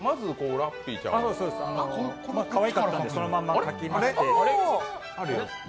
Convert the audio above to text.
かわいかったのでそのまま描きまして。